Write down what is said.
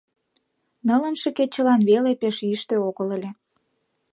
Нылымше кечылан веле пеш йӱштӧ огыл ыле.